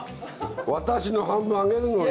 私の半分あげるのに。